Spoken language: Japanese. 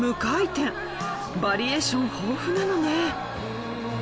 バリエーション豊富なのね。